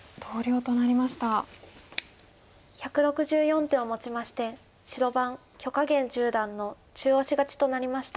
１６４手をもちまして白番許家元十段の中押し勝ちとなりました。